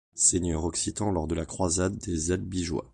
Seigneur occitan lors de la Croisade des Albigeois.